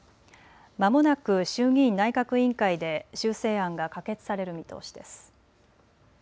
まもなく衆議院内閣委員会で修正案が可決される見通しです。